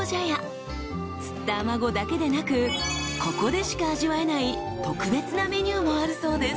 ［釣ったあまごだけでなくここでしか味わえない特別なメニューもあるそうです］